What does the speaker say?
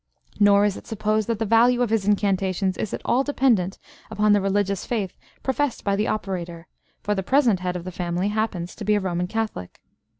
Nor is it supposed that the value of his incantations is at all dependent upon the religious faith professed by the operator, for the present head of the family happens to be a Roman Catholic.